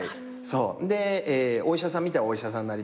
でお医者さん見たらお医者さんなりたいとか。